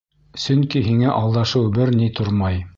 Сөнки һиңә алдашыуы бер ни тормай.